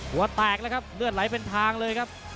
หัวแตกแล้วครับเลือดไหลเป็นทางเลยครับ